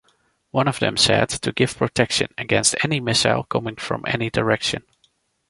One of them said to give protection against any missile coming from any direction.